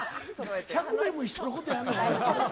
１００年も一緒のことやるの？